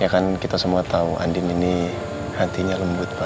ya kan kita semua tahu andin ini hatinya lembut pak